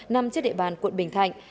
nằm trên địa bàn quận bình thạnh